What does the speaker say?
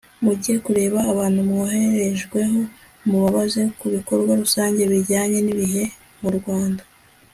mujye kureba abantu mwoherejweho mubabaze ku bikorwa rusange bijyanye n'ibihe mu rwanda